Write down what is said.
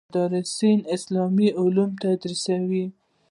مدرسان اسلامي علوم تدریسوي.